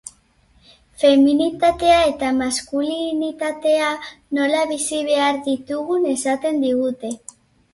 Feminitatea eta maskulinitatea nola bizi behar ditugun esaten digute.